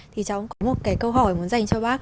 thì cháu có một cái câu hỏi muốn dành cho bác